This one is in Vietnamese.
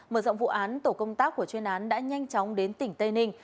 mở rộng vụ án tổ công tác của chuyên án đã nhanh chóng đến tỉnh tây ninh